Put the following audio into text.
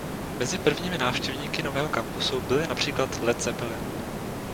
Mezi prvními návštěvníky nového kampusu byly například Led Zeppelin.